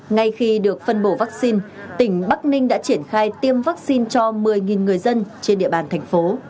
ngay khi được phân bổ vaccine tỉnh bắc ninh đã triển khai tiêm vaccine cho một mươi người dân trên địa bàn thành phố